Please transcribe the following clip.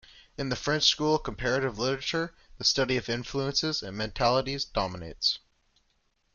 In the French School of Comparative Literature, the study of influences and mentalities dominates.